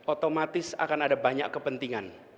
otomatis akan ada banyak kepentingan